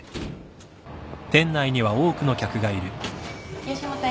いらっしゃいませ。